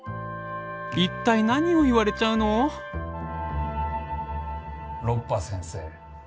一体何を言われちゃうのロッパ先生